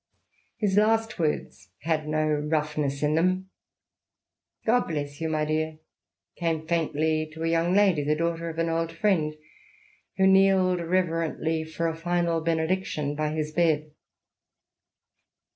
His last words had no roughness in them. "God bless you, my dear," came fiiintly to a young lady, the daughter of an old friend, who kneeled reverently for a final benediction by his bed.